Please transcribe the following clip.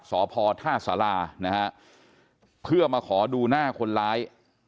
สพท่าสารานะฮะเพื่อมาขอดูหน้าคนร้าย